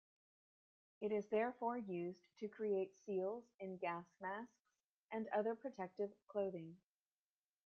It is therefore used to create seals in gas masks and other protective clothing.